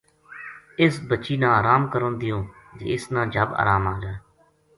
اس بچی نا آرام کرن دیوں جے اس نا جھب آرام آ جائے